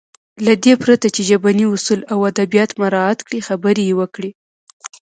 له دې پرته چې ژبني اصول او ادبيات مراعت کړي خبرې يې وکړې.